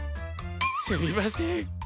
すみません。